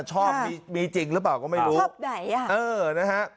ชอบมีจริงหรือเปล่าก็ไม่รู้ชอบไหนอ่ะเออนะฮะ